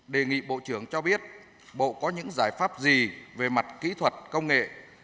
đề nghị bộ trưởng cho biết bộ có những giải pháp gì về mặt kỹ thuật công nghệ